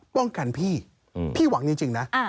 ป้องกันพี่พี่หวังจริงนะ